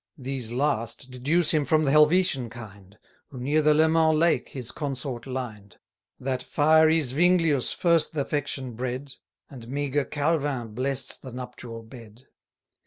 These last deduce him from th' Helvetian kind, Who near the Leman lake his consort lined: That fiery Zuinglius first th' affection bred, 180 And meagre Calvin bless'd the nuptial bed.